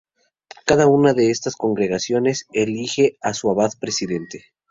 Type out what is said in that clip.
Cada una de estas congregaciones elige a su abad presidente.